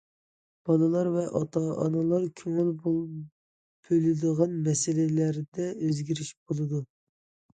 بالىلار ۋە ئاتا- ئانىلار كۆڭۈل بۆلىدىغان مەسىلىلەردە ئۆزگىرىش بولىدۇ!